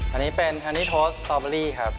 อันนี้เป็นฮันนี่โทสตอเบอรี่ครับ